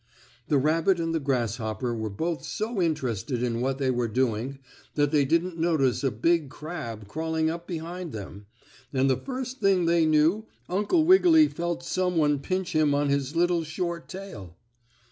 The rabbit and the grasshopper were both so interested in what they were doing that they didn't notice a big crab crawling up behind them, and the first thing they knew Uncle Wiggily felt some one pinch him on his little short tail.